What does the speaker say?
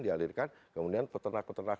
dialirkan kemudian pertanak pertanak